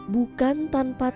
bukan tanpa terapi